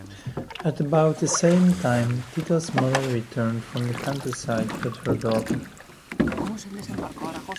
At about the same time, Tito's mother returned from the countryside with her daughter.